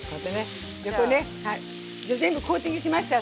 じゃ全部コーティングしました。